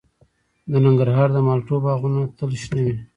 د ننګرهار د مالټو باغونه تل شنه وي.